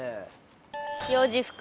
幼児服。